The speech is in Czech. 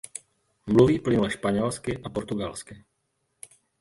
Mluví plynule španělsky a portugalsky.